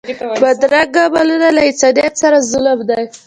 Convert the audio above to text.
بدرنګه عملونه له انسانیت سره ظلم دی